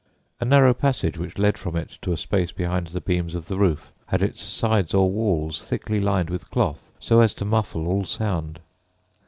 A narrow passage which led from it to a space behind the beams of the roof had its sides or walls thickly lined with cloth, so as to muffle all sound.